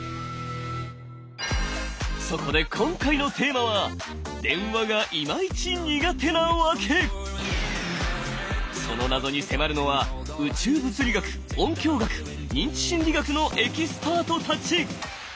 そこで今回のテーマはその謎に迫るのは宇宙物理学音響学認知心理学のエキスパートたち！